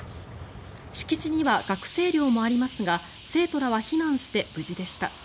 敷地には学生寮もありますが生徒らは避難して無事でした。